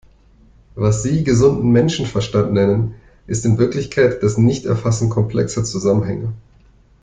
Was Sie gesunden Menschenverstand nennen, ist in Wirklichkeit das Nichterfassen komplexer Zusammenhänge.